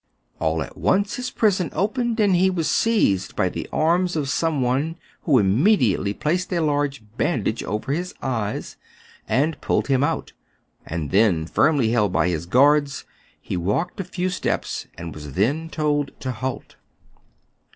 All at once his prison opened, and he was seized by the arms of some one, who immediately placed a large bandage over his eyes, and pulled him out; and then, firmly held by his guards, he walked a few steps, and was then told to halt.